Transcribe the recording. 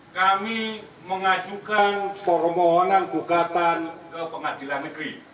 kami mengajukan permohonan gugatan ke pengadilan negeri